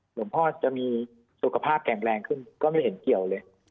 หลวงพ่อจะมีสุขภาพแข็งแรงขึ้นก็ไม่เห็นเกี่ยวเลย